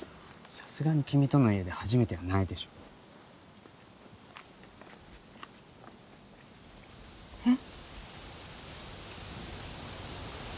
さすがに君との家で初めてはないでしょえっ？